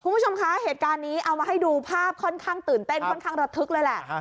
คุณผู้ชมคะเหตุการณ์นี้เอามาให้ดูภาพค่อนข้างตื่นเต้นค่อนข้างระทึกเลยแหละ